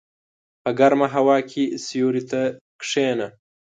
په ګرمه هوا کې سیوري ته کېنه.